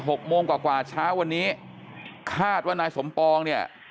หกโมงกว่ากว่าเช้าวันนี้คาดว่านายสมปองเนี่ย